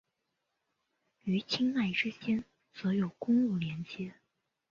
与钦奈之间则有公路连接。